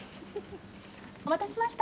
お待たせしました。